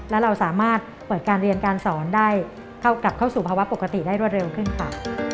และเราสามารถเปิดการเรียนการสอนได้กลับเข้าสู่ภาวะปกติได้รวดเร็วขึ้นค่ะ